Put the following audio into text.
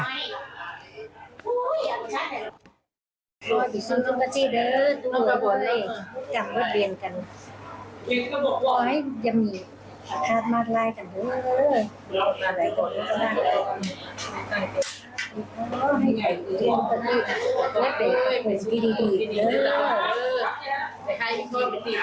เออมาใดเกาะนี้สาม